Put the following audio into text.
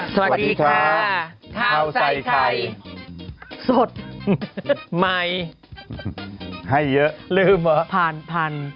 สวัสดีค่ะข้าวใส่ไข่สดใหม่ให้เยอะลืมเหรอผ่านผ่าน